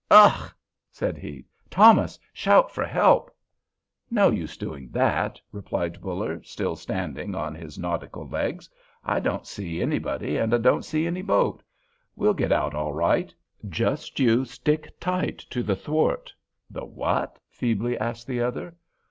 "Ough!" said he. "Thomas, shout for help." "No use doing that," replied Buller, still standing on his nautical legs; "I don't see anybody, and I don't see any boat. We'll get out all right. Just you stick tight to the thwart." "The what?" feebly asked the other.